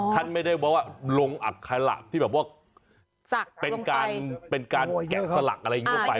ท่านไม่ได้บอกว่าลงอัคระที่แบบว่าเป็นการเป็นการแกะสลักอะไรอย่างนี้ออกไป